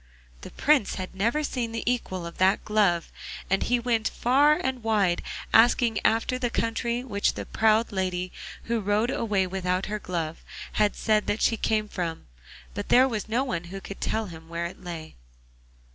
The Prince had never seen the equal of that glove, and he went far and wide, asking after the country which the proud lady, who rode away without her glove, had said that she came from, but there was no one who could tell him where it lay.